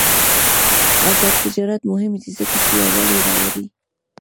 آزاد تجارت مهم دی ځکه چې یووالي راوړي.